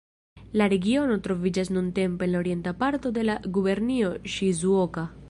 La regiono troviĝas nuntempe en la orienta parto de la gubernio Ŝizuoka.